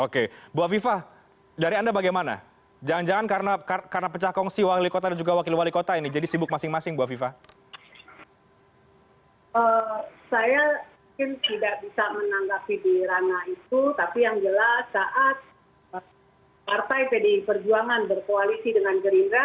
tapi yang jelas saat partai jadi perjuangan berkoalisi dengan gerindra